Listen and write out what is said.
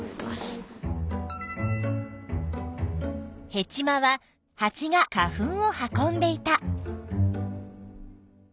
ヘチマはハチが花粉を運んでいた。